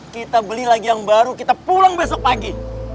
kita beli lagi yang baru kita pulang besok pagi